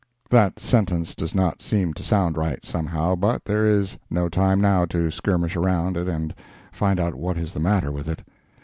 (That sentence does not seem to sound right, somehow, but there is no time now to skirmish around it and find out what is the matter with it.)